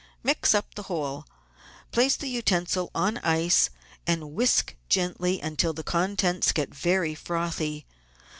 Mix up the whole, place the utensil on ice, and whisk gently until the contents get very frothy.